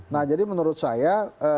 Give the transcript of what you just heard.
nah jadi menurut saya